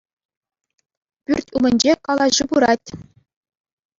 Пӳрт ӳмӗнче калаҫу пырать.